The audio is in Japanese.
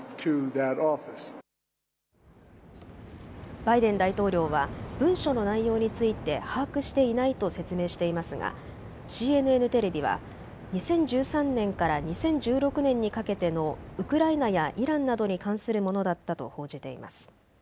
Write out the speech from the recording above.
バイデン大統領は文書の内容について把握していないと説明していますがＣＮＮテレビは２０１３年から２０１６年にかけてのウクライナやイランなどに関するものだったと報じています。